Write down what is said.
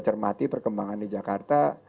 cermati perkembangan di jakarta